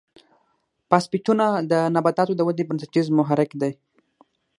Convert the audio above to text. فاسفیټونه د نباتاتو د ودې بنسټیز محرک دی.